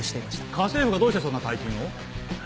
家政婦がどうしてそんな大金を？